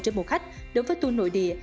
trên mùa khách đối với tu nội địa